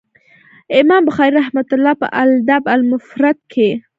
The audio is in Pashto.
امام بخاري رحمه الله په الأدب المفرد کي